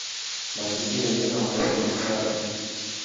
مجلس ملی نمایندگا خلق